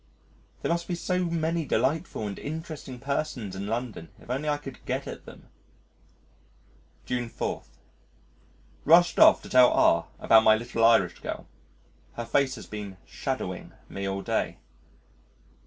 There must be so many delightful and interesting persons in London if only I could get at them. June 4. Rushed off to tell R about my little Irish girl. Her face has been "shadowing" me all day.